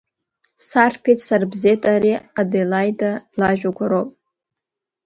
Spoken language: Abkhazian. Сарԥеит, сарбзеит, ари аделаида лажәақәа роуп.